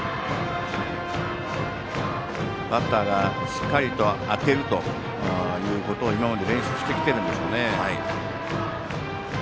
バッターがしっかりと当てるということを今まで練習してきているんでしょうね。